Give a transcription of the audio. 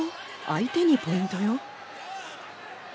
相手にポイントよ。